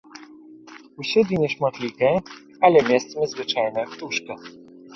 Усюды нешматлікая, але месцамі звычайная птушка.